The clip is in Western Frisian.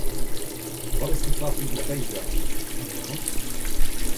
Wat is dyn favorite feestdei en wêrom?